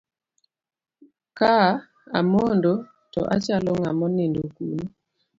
Ka amondo to achalo ng'ama nonindo kuno.